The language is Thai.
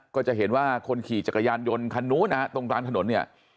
ก็จะเห็นว่าคนขี่จักรยานยนต์คันนู้นนะฮะตรงกลางถนนเนี่ย